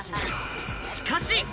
しかし。